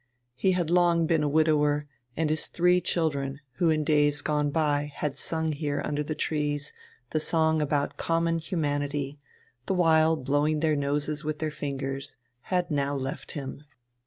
He had long been a widower, and his three children, who in days gone by had sung here under the trees the song about common humanity, the while blowing their noses with their fingers, had now left him.